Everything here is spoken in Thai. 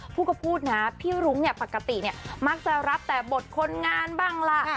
พูดก็พูดนะพี่รุ้งเนี่ยปกติเนี่ยมักจะรับแต่บทคนงานบ้างล่ะ